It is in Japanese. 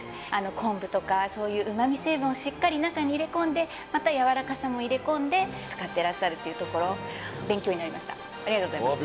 昆布とかそういう旨味成分をしっかり中に入れ込んでまたやわらかさも入れ込んで使ってらっしゃるというところありがとうございました